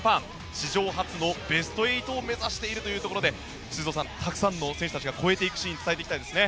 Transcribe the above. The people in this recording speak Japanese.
史上初のベスト８を目指しているというところで修造さん、たくさんの選手たちが超えていくシーン伝えていきたいですね。